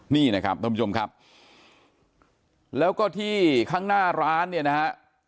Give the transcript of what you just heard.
นี่นะครับท่านผู้ชมครับแล้วก็ที่ข้างหน้าร้านเนี่ยนะฮะ